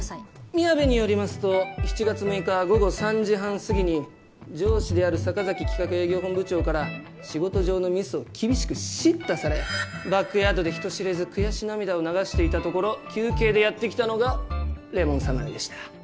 宮部によりますと７月６日午後３時半過ぎに上司である坂崎企画営業本部長から仕事上のミスを厳しく叱咤されバックヤードで人知れず悔し涙を流していたところ休憩でやってきたのがレモン侍でした。